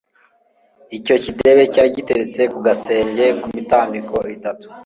icyo kidebe cyari giteretse ku gasenge ku mitambiko itatu